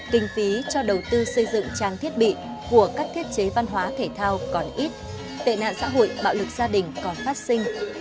kinh phí cho đầu tư xây dựng trang thiết bị của các thiết chế văn hóa thể thao còn ít tệ nạn xã hội bạo lực gia đình còn phát sinh